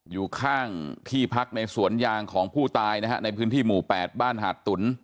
อยู่ข้างที่พักในสวนยางของผู้ตายนะฮะในพื้นที่หมู่๘บ้านหาดตุ๋น